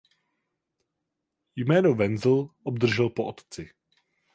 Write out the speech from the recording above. Jméno Wenzel obdržel po otci.